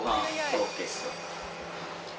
コロッケ。